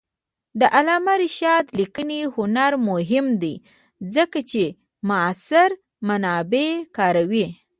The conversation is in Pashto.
د علامه رشاد لیکنی هنر مهم دی ځکه چې همعصر منابع کاروي.